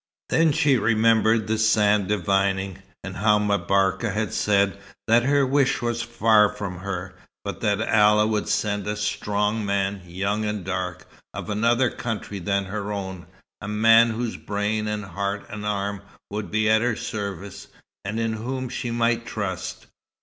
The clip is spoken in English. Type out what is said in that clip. Then she remembered the sand divining, and how M'Barka had said that "her wish was far from her, but that Allah would send a strong man, young and dark, of another country than her own; a man whose brain, and heart, and arm would be at her service, and in whom she might trust."